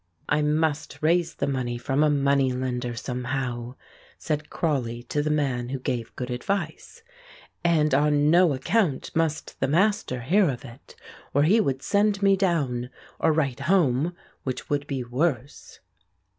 "I must raise the money from a money lender somehow," said Crawley to the man who gave good advice, "and on no account must the Master hear of it or he would send me down; or write home, which would be worse."